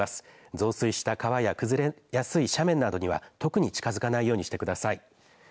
増水した川や崩れやすい斜面などには特に近づかないようにしてください。